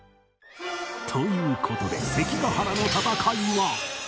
という事で関ヶ原の戦いは